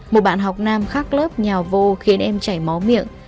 một bạn học nam khác lớp nhào vô khiến em chảy máu miệng